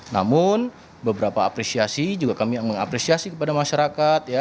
namun beberapa apresiasi juga kami mengapresiasi kepada masyarakat